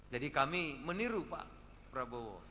jadi kami meniru pak prabowo